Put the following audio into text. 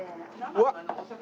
うわっ！